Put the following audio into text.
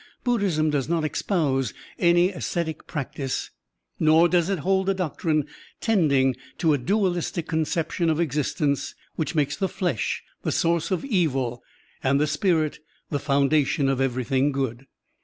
Buddhism does not espouse any ascetic practice, nor does it hold a doctrine tending to a dualistic conception of existence which makes the flesh the source of evil and the spirit the fovmdation of everything good.